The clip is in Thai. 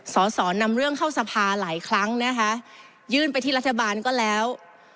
สอสอนำเรื่องเข้าสภาหลายครั้งนะคะยื่นไปที่รัฐบาลก็แล้ว